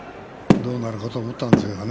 どうなるかと思ったんですがね。